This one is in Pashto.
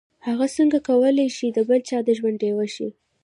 هغه به څنګه وکولای شي د بل چا د ژوند ډيوه شي.